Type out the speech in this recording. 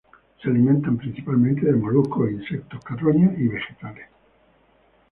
Se alimentan principalmente de moluscos, insectos, carroña y vegetales.